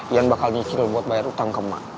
yan bakal nyicil buat bayar utang ke ma